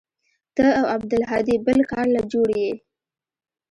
ته او عبدالهادي بل کار له جوړ يې.